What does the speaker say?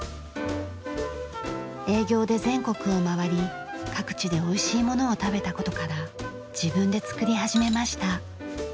営業で全国を回り各地でおいしいものを食べた事から自分で作り始めました。